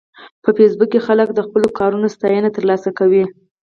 په فېسبوک کې خلک د خپلو کارونو ستاینه ترلاسه کوي